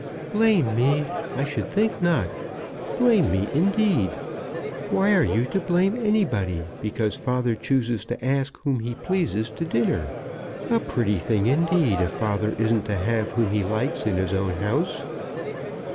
"Blame me! I should think not. Blame me, indeed! Why are you to blame anybody because father chooses to ask whom he pleases to dinner? A pretty thing indeed, if father isn't to have whom he likes in his own house."